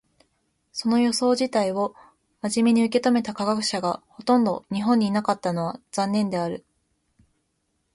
その予想自体を真面目に受け止めた科学者がほとんど日本にいなかったのは残念である。